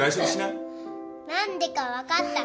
何でか分かった。